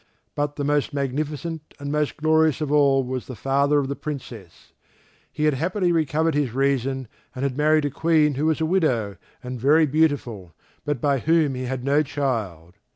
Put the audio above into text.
But the most magnificent and most glorious of all was the father of the Princess. He had happily recovered his reason, and had married a Queen who was a widow and very beautiful, but by whom he had no child.